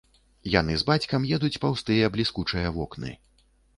Яны з бацькам едуць паўз тыя бліскучыя вокны.